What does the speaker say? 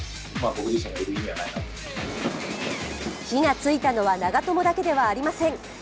火がついたのは長友だけではありません。